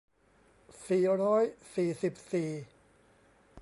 สี่ร้อยสี่สิบสี่